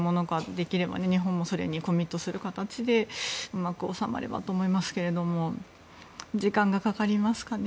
できれば、日本もそれにコミットする形でうまく収まればと思いますけれども時間がかかりますかね。